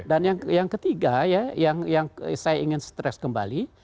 dan yang ketiga ya yang saya ingin stress kembali